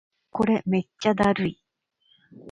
これめっちゃだるい